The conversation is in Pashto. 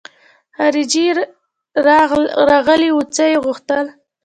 خارجۍ راغلې وه څه يې غوښتل.